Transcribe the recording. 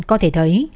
có thể thấy